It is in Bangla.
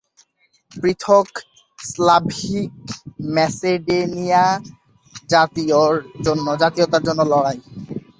পৃথক স্লাভিক ম্যাসেডোনিয়া জাতীয়তার জন্য লড়াই।